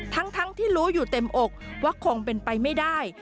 ทั้งที่รู้อยู่เต็มอกว่าคงเป็นไปไม่ได้